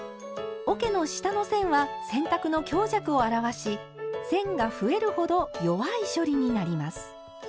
おけの下の線は洗濯の強弱を表し線が増えるほど弱い処理になります。